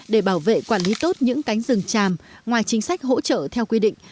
để bảo vệ quản lý tốt những cánh rừng tràm ngoài chính sách hỗ trợ theo quy định